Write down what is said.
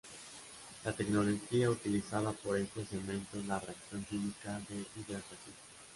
La tecnología utilizada por este cemento es la reacción química de hidratación.